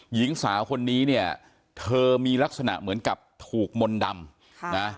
หญิงสาวคนนี้เธอมีลักษณะเหมือนกับถูกมนดำ